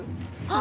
あ！